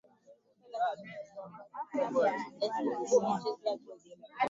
Mataifa Kuhusu Mazingira ya Kibinadamu pamoja na Kongamano la